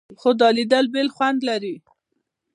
خو دا لیدل بېل خوند لري.